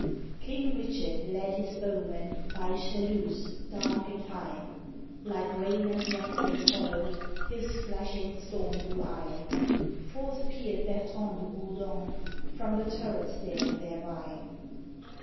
King Richard led his bowmen By Chaluz dark and high; Like rain and rack they followed His flashing storm blue eye: Forth peered Bertrand de Gourdon From the turret stair thereby.